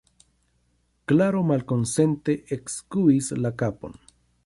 Klaro malkonsente ekskuis la kapon.